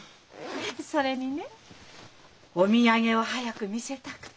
それにねお土産を早く見せたくて。